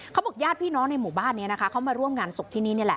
เขาบอกญาติพี่น้องในหมู่บ้านเขามาร่วมงานศพที่นี่